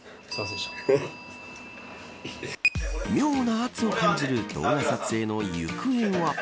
妙な圧を感じる動画撮影の行方は。